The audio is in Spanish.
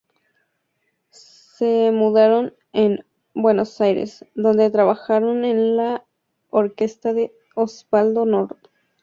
Se mudaron a Buenos Aires, donde trabajaron en la orquesta de Osvaldo Norton.